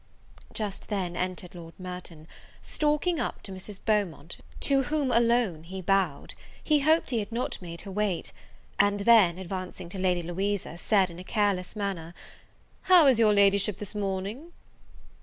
Just then entered Lord Merton; stalking up to Mrs. Beaumont, to whom alone he bowed, he hoped he had not made her wait; and then, advancing to Lady Louisa, said, in a careless manner, "How is your Ladyship this morning?"